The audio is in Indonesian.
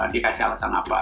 dia kasih alasan apa